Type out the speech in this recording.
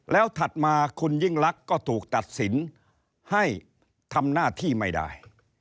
แล้วถัดมาคุณยิ่งลักษณ์ก็ถูกตัดสินให้ทำหน้าที่ไม่ได้